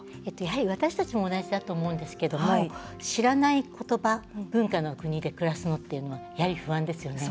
私たちも同じだと思うんですけど知らない言葉、文化の国で暮らすのっていうのはやはり不安ですよね。